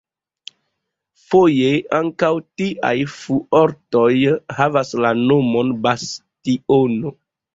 Foje ankaŭ tiaj fuortoj havas la nomon "bastiono".